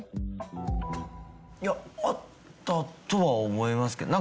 いやあったとは思いますけど。